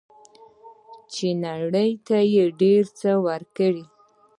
چې نړۍ ته یې ډیر څه ورکړي.